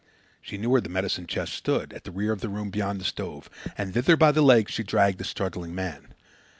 She knew where the medicine chest stood, at the rear of the room beyond the stove, and thither, by the legs, she dragged the struggling man.